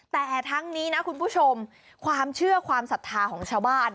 แต่ทั้งนี้นะคุณผู้ชมความเชื่อความศรัทธาของชาวบ้าน